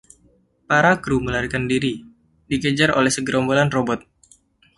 Para kru melarikan diri, dikejar oleh segerombolan robot.